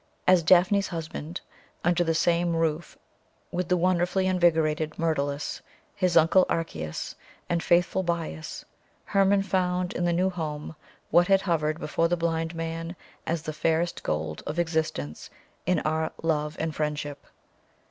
As Daphne's husband, under the same roof with the wonderfully invigorated Myrtilus, his Uncle Archias, and faithful Bias, Hermon found in the new home what had hovered before the blind man as the fairest goal of existence in art, love, and friendship.